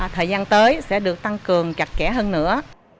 thời gian tới sẽ được tăng cường chặt kẽ hơn nữa